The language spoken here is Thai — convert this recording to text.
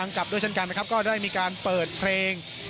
แล้วก็ยังมวลชนบางส่วนนะครับตอนนี้ก็ได้ทยอยกลับบ้านด้วยรถจักรยานยนต์ก็มีนะครับ